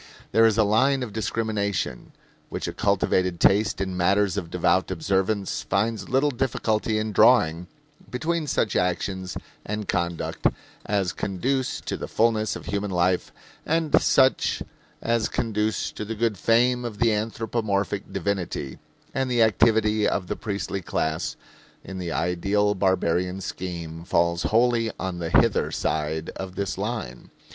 There is a line of discrimination, which a cultivated taste in matters of devout observance finds little difficulty in drawing, between such actions and conduct as conduce to the fullness of human life and such as conduce to the good fame of the anthropomorphic divinity; and the activity of the priestly class, in the ideal barbarian scheme, falls wholly on the hither side of this line.